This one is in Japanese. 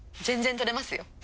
全然取れますよ。